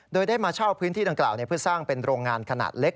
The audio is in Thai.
โดยได้มาเช่าพื้นที่ดังกล่าวเพื่อสร้างเป็นโรงงานขนาดเล็ก